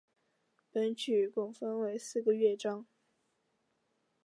本曲共分为四个乐章。